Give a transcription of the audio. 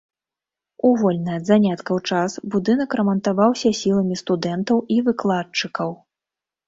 У вольны ад заняткаў час будынак рамантаваўся сіламі студэнтаў і выкладчыкаў.